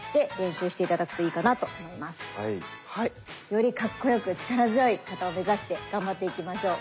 よりかっこよく力強い形を目指して頑張っていきましょう。